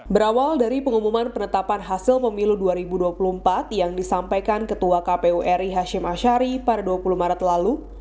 berawal dari pengumuman penetapan hasil pemilu dua ribu dua puluh empat yang disampaikan ketua kpu ri hashim ashari pada dua puluh maret lalu